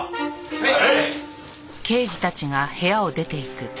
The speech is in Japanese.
はい。